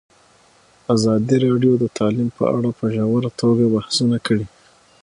ازادي راډیو د تعلیم په اړه په ژوره توګه بحثونه کړي.